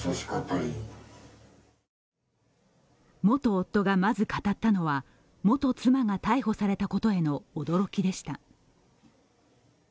元夫がまず語ったのは元妻が逮捕されたことへの驚きでした。